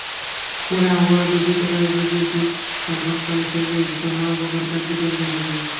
পরে আমরা দেখিতে পাইব যে, যোগ-সাধনকালে শরীরের ভিতর নানাপ্রকার কার্য চলিতে থাকিবে।